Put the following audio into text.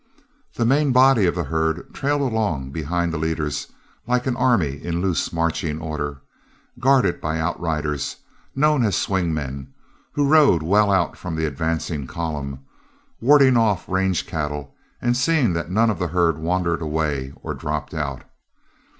The main body of the herd trailed along behind the leaders like an army in loose marching order, guarded by outriders, known as swing men, who rode well out from the advancing column, warding off range cattle and seeing that none of the herd wandered away or dropped out.